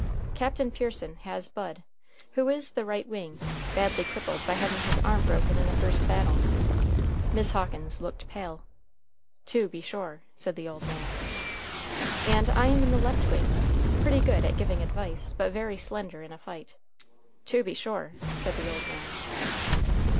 Captain Pearson has Bud, who is the right wing, badly crippled by having his arm broken in the first battle." (Miss Hawkins looked pale.) "To be sure," said the old man. "And I am the left wing, pretty good at giving advice, but very slender in a fight." "To be sure," said the old man.